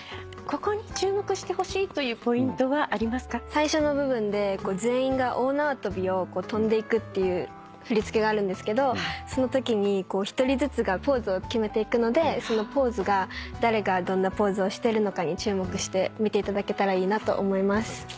最初の部分で全員が大縄跳びを跳んでいくっていう振り付けがあるんですけどそのときに１人ずつがポーズを決めていくのでそのポーズが誰がどんなポーズをしてるのかに注目してみていただけたらいいなと思います。